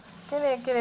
きれい！